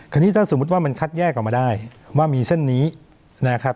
นี้ถ้าสมมุติว่ามันคัดแยกออกมาได้ว่ามีเส้นนี้นะครับ